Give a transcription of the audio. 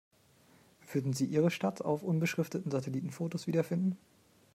Würden Sie Ihre Stadt auf unbeschrifteten Satellitenfotos wiederfinden?